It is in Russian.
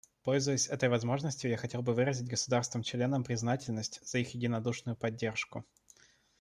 Пользуясь этой возможностью, я хотел бы выразить государствам-членам признательность за их единодушную поддержку.